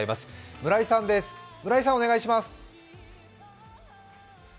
村井さん、お願いします。